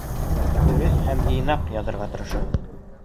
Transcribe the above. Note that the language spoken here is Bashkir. Дөрөҫ һәм йыйнаҡ яҙырға тырышығыҙ